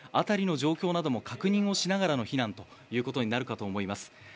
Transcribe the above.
辺りの状況なども確認しながらの避難ということになるかと思います。